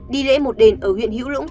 đi lễ một đền ở huyện hữu lũng